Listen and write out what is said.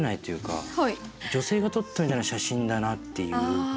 女性が撮ったみたいな写真だなっていう。